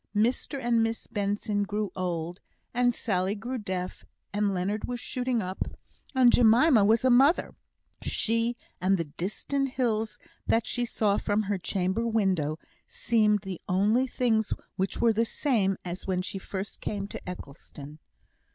Mr and Miss Benson grew old, and Sally grew deaf, and Leonard was shooting up, and Jemima was a mother. She and the distant hills that she saw from her chamber window, seemed the only things which were the same as when she first came to Eccleston.